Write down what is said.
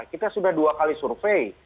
kita sudah dua kali survei